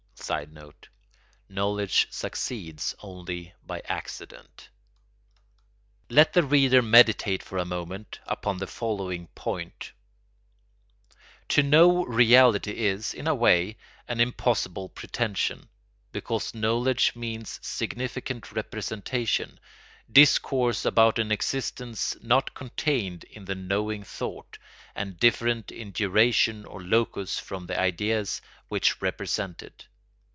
[Sidenote: Knowledge succeeds only by accident.] Let the reader meditate for a moment upon the following point: to know reality is, in a way, an impossible pretension, because knowledge means significant representation, discourse about an existence not contained in the knowing thought, and different in duration or locus from the ideas which represent it.